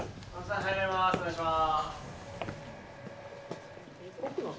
お願いします。